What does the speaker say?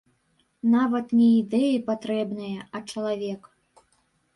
Нават не ідэі патрэбныя, а чалавек.